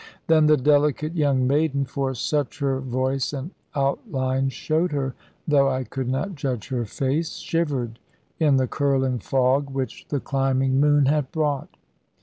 Then the delicate young maiden (for such her voice and outline showed her, though I could not judge her face) shivered in the curling fog which the climbing moon had brought.